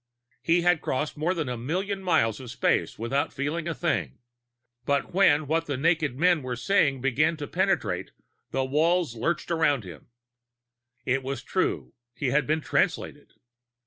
He had crossed more than a million miles of space without feeling a thing. But when what the naked men were saying began to penetrate, the walls lurched around him. It was true; he had been Translated.